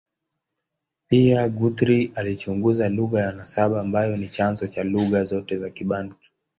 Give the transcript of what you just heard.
Pia, Guthrie alichunguza lugha ya nasaba ambayo ni chanzo cha lugha zote za Kibantu.